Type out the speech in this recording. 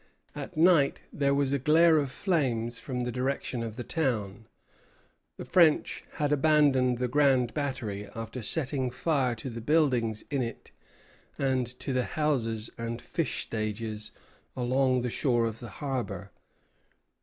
At night there was a glare of flames from the direction of the town. The French had abandoned the Grand Battery after setting fire to the buildings in it and to the houses and fish stages along the shore of the harbor.